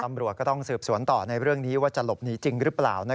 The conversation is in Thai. ตำรวจก็ต้องสืบสวนต่อในเรื่องนี้ว่าจะหลบหนีจริงหรือเปล่า